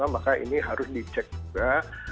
maka ini harus dicek juga